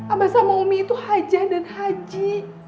abah sama umi itu hajah dan haji